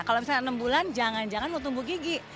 kalau misalnya enam bulan jangan jangan lu tumbuh gigi